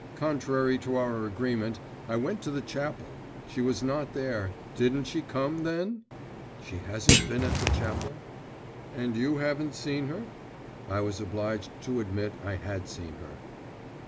Contrary to our agreement, I went to the chapel; she was not there; didn't she come, then?' 'She hasn't been at the chapel?' 'And you haven't seen her?' I was obliged to admit I had seen her.